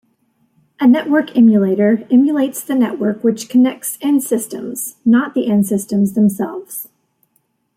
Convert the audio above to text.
A network emulator emulates the network which connects end-systems, not the end-systems themselves.